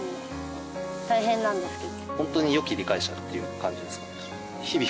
大変なんですけど。